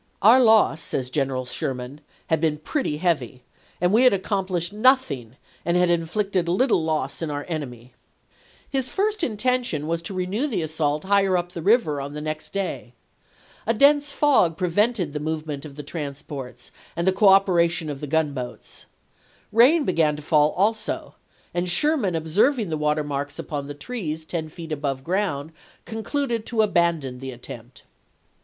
Our loss," says General Sherman, " had been pretty heavy, and we n>id. had accomplished nothing and had inflicted little loss on our enemy." His first intention was to Sherman, "Memoirs." Vol. L, p. 292. PBELUDES TO THE VICKSBUEG CAMPAIGNS 135 renew the assault higher up the river on the next chap. v. day. A dense fog prevented the movement of the transports and the cooperation of the gunboats. Rain began to fall also, and Sherman observing the water marks upon the trees ten feet above ground concluded to abandon the attempt.